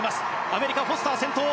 アメリカ、フォスター先頭。